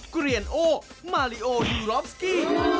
กุเรียนโอมาริโอยูโรฟสกี้